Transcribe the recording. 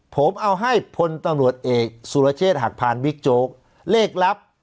ผมเอาให้พลตำรวจเอกสุรเชษฐ์หักพานบิ๊กโจ๊กเลขลับ